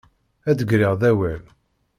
Ad d-griɣ d awal.